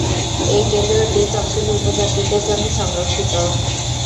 এই কেন্দ্রটি তফসিলী উপজাতিদের জন্য সংরক্ষিত।